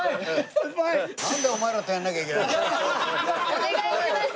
お願いします！